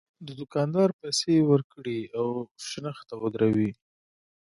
د دوکاندار پیسې ورکړي او شنخته ودروي.